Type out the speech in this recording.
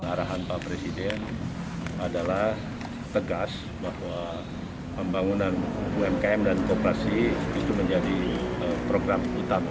arahan pak presiden adalah tegas bahwa pembangunan umkm dan kooperasi itu menjadi program utama